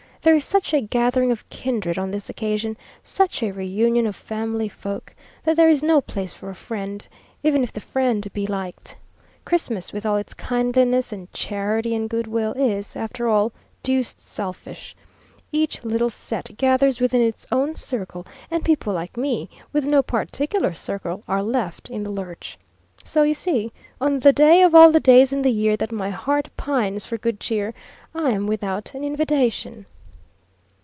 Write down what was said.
There is such a gathering of kindred on this occasion, such a reunion of family folk, that there is no place for a friend, even if the friend be liked. Christmas, with all its kindliness and charity and good will, is, after all, deuced selfish. Each little set gathers within its own circle; and people like me, with no particular circle, are left in the lurch. So you see, on the day of all the days in the year that my heart pines for good cheer, I'm without an invitation.